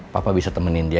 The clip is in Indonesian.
papa bisa temenin dia